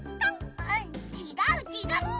あちがうちがう！